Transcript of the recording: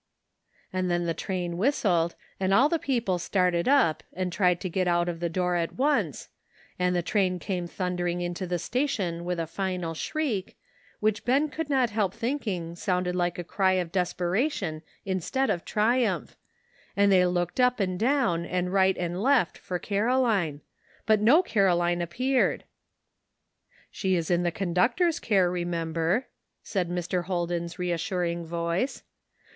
And then the train whistled, and all the peo ple started up and tried to get out of the door at once, and the train came thundering into the station with a final shriek, which Ben could not help thinking sounded like a cry of desperation instead of triumph, and they looked up and down, and right and left for Caroline ; but no Caroline appeared. " She is in the conductor's care, remember," said Mr. Holden's reassuring voice.